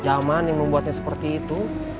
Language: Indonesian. zaman yang membuatnya seperti itu